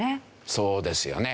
そうですよね。